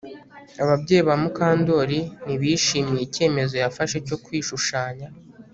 Ababyeyi ba Mukandoli ntibishimiye icyemezo yafashe cyo kwishushanya